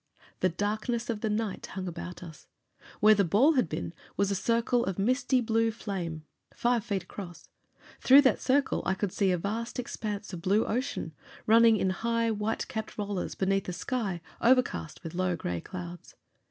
The darkness of the night hung about us. Where the ball had been was a circle of misty blue flame, five feet across. Through that circle I could see a vast expanse of blue ocean, running in high, white capped rollers, beneath a sky overcast with low gray clouds.